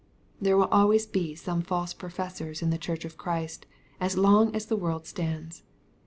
There will always be some false professors in the Church of Christ, as long as the world stands.